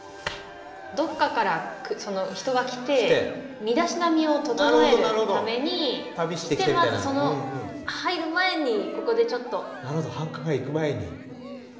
どっかから人が来て身だしなみを整えるためにまずその入る前にここでちょっと。